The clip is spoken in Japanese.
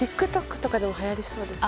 ＴｉｋＴｏｋとかでもはやりそうです。